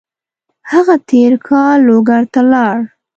هغه تېر کال لوګر ته لاړ.